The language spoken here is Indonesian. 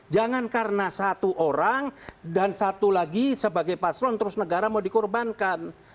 jangan karena satu orang dan satu lagi sebagai paslon terus negara mau dikorbankan